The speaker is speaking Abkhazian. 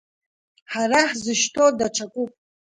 Ҳара ҳзышьҭоу даҽакуп.